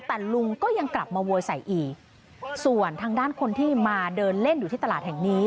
แต่ลุงก็ยังกลับมาโวยใส่อีกส่วนทางด้านคนที่มาเดินเล่นอยู่ที่ตลาดแห่งนี้